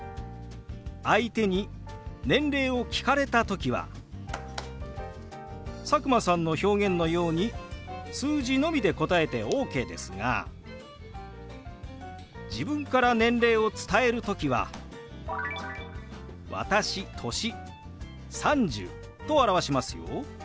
相手に年齢を聞かれた時は佐久間さんの表現のように数字のみで答えてＯＫですが自分から年齢を伝える時は「私歳３０」と表しますよ。